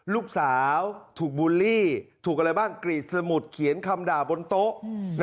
ลูกสาวถูกบูลลี่ถูกอะไรบ้างกรีดสมุดเขียนคำด่าบนโต๊ะ